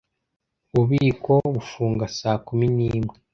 Ububiko bufunga saa kumi n'imwe.